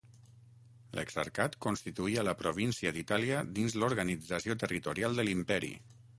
L'exarcat constituïa la província d'Itàlia dins l'organització territorial de l'imperi.